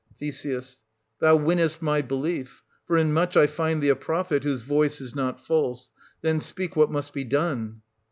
Th. Thou winnest my belief, for in much I find thee a prophet whose voice is not false ;— then speak what must be done.